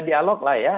dialog lah ya